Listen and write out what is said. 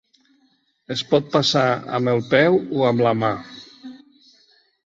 Es pot passar amb el peu o amb la mà.